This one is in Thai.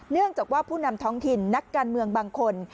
เนื่องจากว่าผู้นำท้องถิ่นนักการเมืองบางคน